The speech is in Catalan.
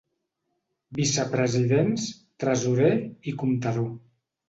Vicepresidents, tresorer i comptador.